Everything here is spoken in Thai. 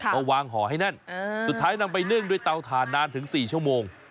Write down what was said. มาวางห่อให้แน่นสุดท้ายนำไปนึ่งด้วยเตาถ่านนานถึง๔ชั่วโมง